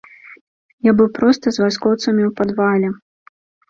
Я быў проста з вайскоўцамі ў падвале.